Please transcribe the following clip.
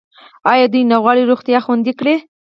آیا دوی نه غواړي روغتیا خوندي کړي؟